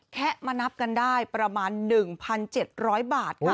แคะมานับกันได้ประมาณ๑๗๐๐บาทค่ะ